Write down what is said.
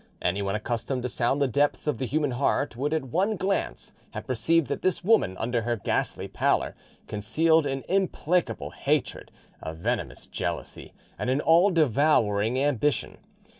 Anyone accustomed to sound the depths of the human heart would at one glance have perceived that this woman under her ghastly pallor concealed an implacable hatred, a venomous jealousy, and an all devouring ambition.